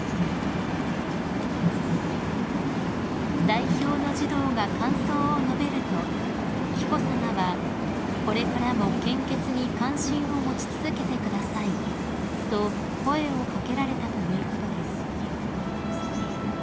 ［代表の児童が感想を述べると紀子さまは「これからも献血に関心を持ち続けてください」と声を掛けられたということです］